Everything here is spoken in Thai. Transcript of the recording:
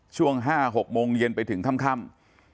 ช่วง๕๖โมงเย็นไปถึงค่ำ